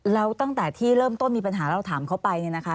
แล้วตั้งแต่ที่เริ่มต้นมีปัญหาเราถามเขาไปเนี่ยนะคะ